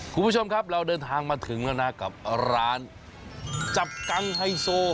คุณผู้ชมครับเราเดินทางมาถึงแล้วนะกับร้านจับกังไฮโซ